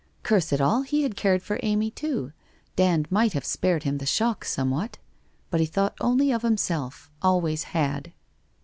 Curse it all ! He had cared for Amy too ! Dand might have spared him the shock somewhat! But he thought only of himself — always had.